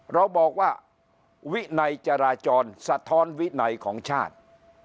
เราบอกว่าวินัยจราจรสะท้อนวินัยของชาติ